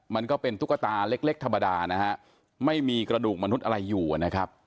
มันก็เป็นตุ๊กตาเล็กธรรมดานะฮะไม่มีกระดูกมนุษย์อะไรอยู่นะครับ